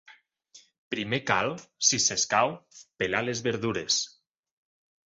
Primer cal, si s'escau, pelar les verdures.